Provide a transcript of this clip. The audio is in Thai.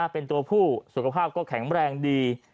เป็นตัวผู้สุขภาพก็แข็งแรงดี